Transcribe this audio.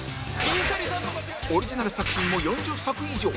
オリジナル作品も４０作以上